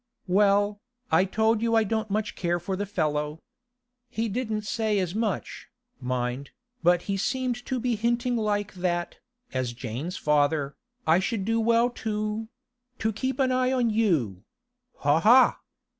'Well, I told you I don't much care for the fellow. He didn't say as much, mind, but he seemed to be hinting like that, as Jane's father, I should do well to—to keep an eye on you—ha, ha!